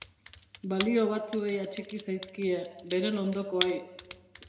Balio batzuei atxiki zaizkie, beren ondokoei.